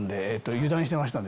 油断してましたんで。